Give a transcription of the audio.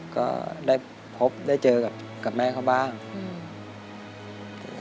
ก็ได้พบได้เจอกับแม่เขาบ้างอืม